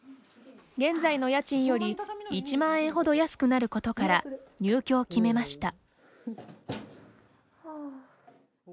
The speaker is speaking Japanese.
現在の家賃より１万円ほど安くなることから入居を決めました。